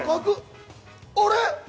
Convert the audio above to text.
あれ？